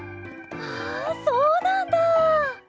あそうなんだ！